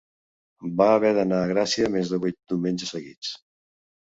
Van haver d'anar a Gracia més de vuit diumenges seguits